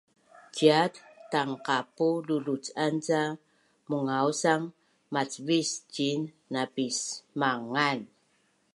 ciat tangqapu luluc’an ca mungausang macvis ciin napismangan